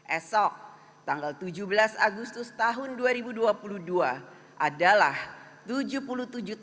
esok tanggal tujuh belas agustus dua ribu dua puluh dua adalah pancasila